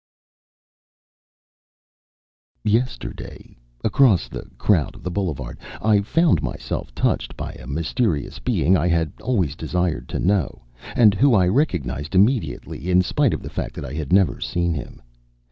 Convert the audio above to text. Yesterday, across the crowd of the boulevard, I found myself touched by a mysterious Being I had always desired to know, and who I recognized immediately, in spite of the fact that I had never seen him.